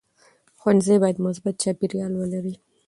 ښوونځی باید مثبت چاپېریال ولري.